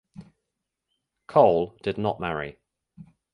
Cole did not marry.